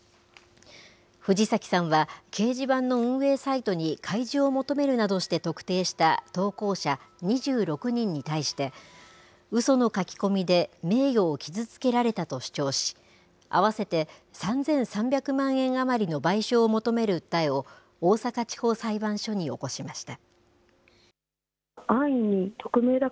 藤崎さんは、掲示板の運営サイトに開示を求めるなどして特定した投稿者２６人に対して、うその書き込みで名誉を傷つけられたと主張し、合わせて３３００万円余りの賠償を求める訴えを、大阪地方裁判所に起こしました。